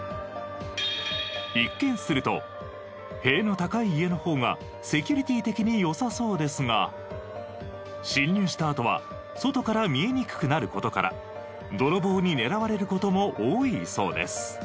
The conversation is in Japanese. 一見すると塀の高い家の方がセキュリティー的に良さそうですが侵入したあとは外から見えにくくなる事から泥棒に狙われる事も多いそうです。